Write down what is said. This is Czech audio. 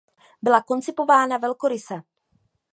Byla koncipována velkoryse.